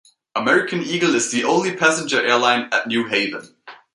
American Eagle is the only passenger airline at New Haven.